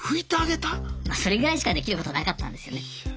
それぐらいしかできることなかったんですよね。